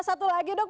satu lagi dok